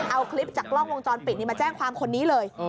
เอาคลิปจากกล้องวงจรปิดมาแจ้งความคนนี้เลย